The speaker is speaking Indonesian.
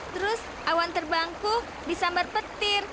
terus awan terbangku disambar petir